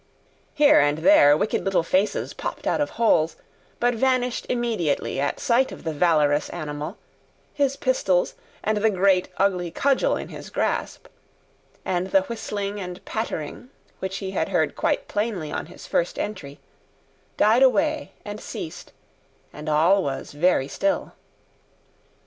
Here and there wicked little faces popped out of holes, but vanished immediately at sight of the valorous animal, his pistols, and the great ugly cudgel in his grasp; and the whistling and pattering, which he had heard quite plainly on his first entry, died away and ceased, and all was very still.